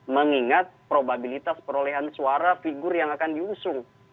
mengingat probabilitas perolehan suara figur yang akan diusung